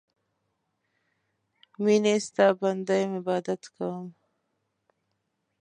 میینې ستا بنده یم عبادت کوم